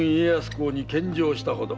公に献上したほど。